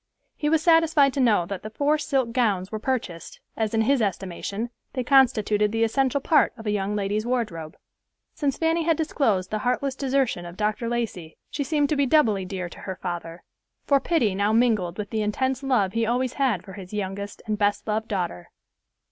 He was satisfied to know that the "four silk gowns" were purchased, as, in his estimation they constituted the essential part of a young lady's wardrobe. Since Fanny had disclosed the heartless desertion of Dr. Lacey, she seemed to be doubly dear to her father; for pity now mingled with the intense love he always had for his youngest and best loved daughter.